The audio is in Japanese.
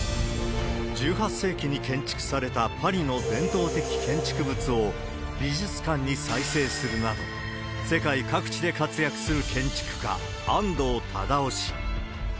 １８世紀に建築されたパリの伝統的建築物を美術館に再生するなど、世界各地で活躍する建築家、安藤忠雄氏。